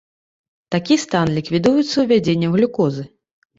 Такі стан ліквідуецца увядзеннем глюкозы.